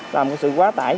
là một sự quá tải